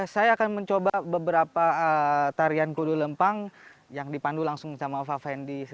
saya akan mencoba beberapa tarian kudu lempang yang dipandu langsung sama ova fendi